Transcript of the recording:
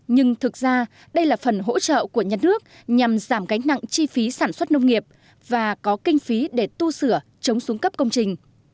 nhưng thực ra đây là phần hỗ trợ của nhân nước nhằm giảm gánh nặng chi phí sản xuất nông nghiệp và có kinh phí để tu sửa chống xuống cấp công trình